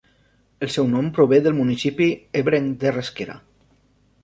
El seu nom prové del municipi ebrenc de Rasquera.